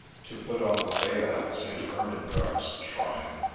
To put on the veil at St. Ertnengarde's shrine.